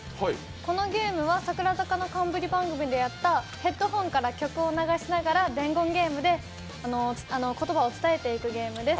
このゲームは櫻坂の冠番組でやったヘッドホンから曲を流しながら伝言ゲームで言葉を伝えていくゲームです。